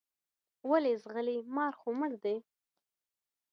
ولې ځغلې مار خو مړ دی.